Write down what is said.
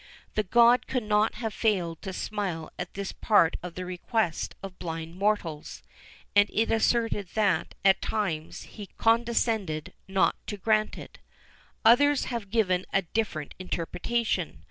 [XIV 17] The god could not have failed to smile at this part of the request of blind mortals, and it is asserted that, at times, he condescended not to grant it. Others have given a different interpretation.